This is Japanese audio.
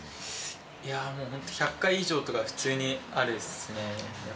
いや、もう、本当１００回以上とか、普通にあるっすね。